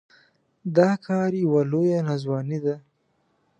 دا کار يوه لويه ناځواني ده.